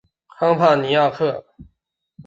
康帕尼亚克。